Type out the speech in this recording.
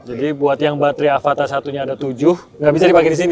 jadi buat yang baterai avata satu nya ada tujuh nggak bisa dipakai di sini